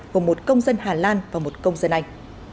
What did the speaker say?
gồm một công dân hà lan và một công dân anh